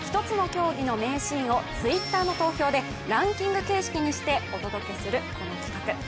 １つの競技の名シーンをＴｗｉｔｔｅｒの投票でランキング形式にしてお届けするこの企画。